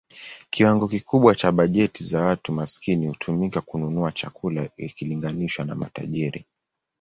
Kiwango kikubwa cha bajeti za watu maskini hutumika kununua chakula ikilinganishwa na matajiri.